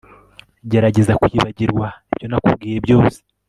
Gerageza kwibagirwa ibyo nakubwiye byose